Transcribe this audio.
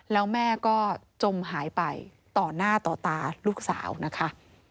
แล้วแม่ก็จมหายไปต่อหน้าต่อตาลูกสาวนะคะ